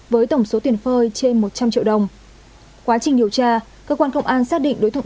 với tổng số tiền phơi trên một trăm linh triệu đồng quá trình điều tra cơ quan công an xác định đối tượng